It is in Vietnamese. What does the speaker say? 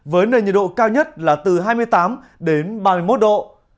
với nền nhiệt độ cao nhất là từ hai mươi tám đến ba mươi một độ